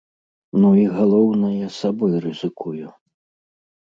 Ну і, галоўнае, сабой рызыкую.